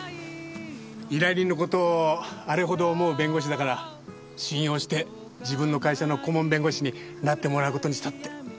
依頼人の事をあれほど思う弁護士だから信用して自分の会社の顧問弁護士になってもらう事にしたって。